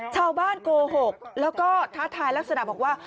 เช้าบ้านโกหกแล้วก็ทัศน์ถ่ายลักษณะบอกว่า